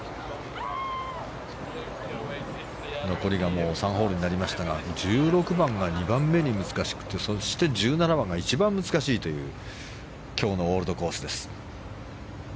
残りが３ホールになりましたが１６番が２番目に難しくてそして、１７番が一番難しいという今日のオールドコースです。